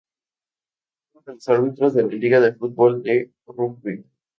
Es uno de los árbitros de la Liga de Fútbol del Rugbi.